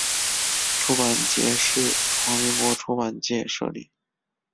出版节是中华民国出版界设立。